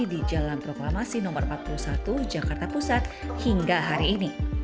di jalan proklamasi no empat puluh satu jakarta pusat hingga hari ini